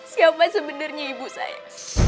siapa sebenernya ibu saya